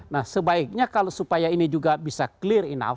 nah sebaiknya kalau supaya ini juga bisa clear enough